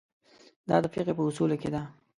دا د فقهې په اصولو کې ده.